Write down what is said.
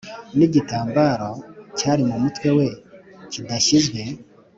n igitambaro cyari mu mutwe we kidashyizwe